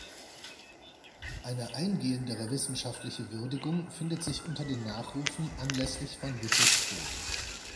Eine eingehendere wissenschaftliche Würdigung findet sich unter den Nachrufen anlässlich von Wittes Tod.